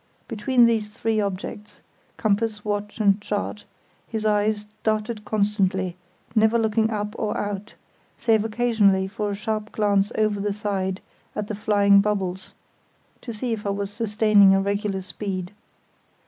Between these three objects—compass, watch, and chart—his eyes darted constantly, never looking up or out, save occasionally for a sharp glance over the side at the flying bubbles, to see if I was sustaining a regular speed.